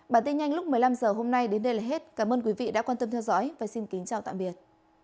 bản tin nhanh lúc một mươi năm h hôm nay đến đây là hết cảm ơn quý vị đã quan tâm theo dõi và xin kính chào tạm biệt